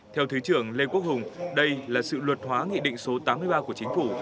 theo thứ trưởng lê quốc hùng đây là sự luật hóa nghị định số tám mươi ba của chính phủ